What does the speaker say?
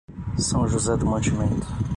São José do Mantimento